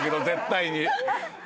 絶対に。